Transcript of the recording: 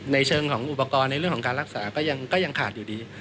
เชิงของอุปกรณ์ในเรื่องของการรักษาก็ยังขาดอยู่ดี